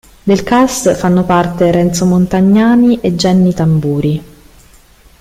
Del cast fanno parte Renzo Montagnani e Jenny Tamburi.